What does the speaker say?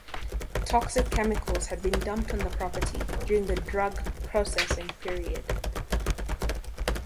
Toxic chemicals had been dumped on the property during the drug processing period.